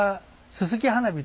すすき花火。